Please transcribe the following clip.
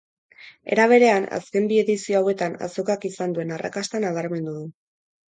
Era berean, azken bi edizio hauetan azokak izan duen arrakasta nabarmendu du.